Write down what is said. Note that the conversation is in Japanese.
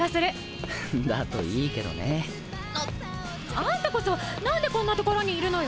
アンタこそ何でこんなところにいるのよ！